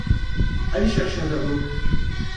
Allez chercher un verre d'eau !